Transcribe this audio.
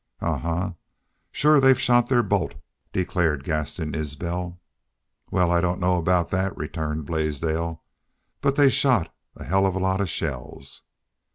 "Ahuh! Shore they've shot their bolt," declared Gaston Isbel. "Wal, I doon't know aboot that," returned Blaisdell, "but they've shot a hell of a lot of shells."